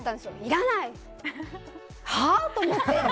はあ？と思って。